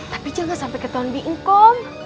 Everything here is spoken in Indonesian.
tapi jangan sampai ke tahun bingkom